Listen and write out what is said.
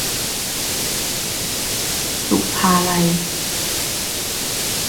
ศุภาลัย